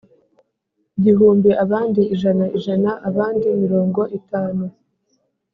gihumbi abandi ijana ijana abandi mirongo itanu